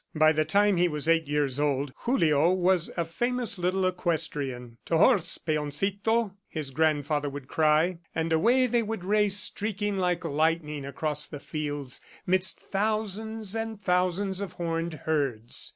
By the time he was eight years old, Julio was a famous little equestrian. "To horse, peoncito," his grandfather would cry, and away they would race, streaking like lightning across the fields, midst thousands and thousands of horned herds.